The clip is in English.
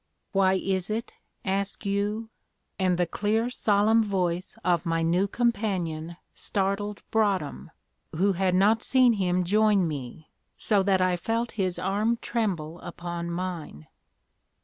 "Why is it, ask you?" and the clear solemn voice of my new companion startled Broadhem, who had not seen him join me, so that I felt his arm tremble upon mine.